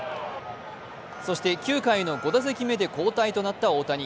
そして９回の５打席目で交代となった大谷。